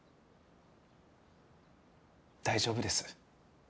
大丈夫です。